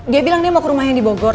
dia bilang dia mau ke rumah yang dibogor